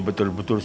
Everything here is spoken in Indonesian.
aku harus mencoba